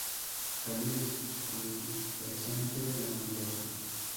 Cáliz pubescente-glanduloso.